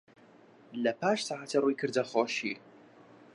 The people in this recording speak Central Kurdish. لەپاش سەعاتێ ڕووی کردە خۆشی